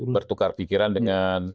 bertukar pikiran dengan